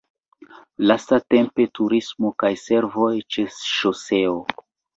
Lastatempe turismo kaj servoj ĉe ŝoseo.